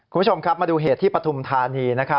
คุณผู้ชมครับมาดูเหตุที่ปฐุมธานีนะครับ